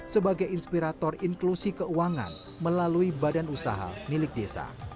sebagai inspirator inklusi keuangan melalui badan usaha milik desa